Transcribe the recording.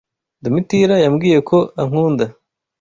Domitira yambwiye ko ankunda.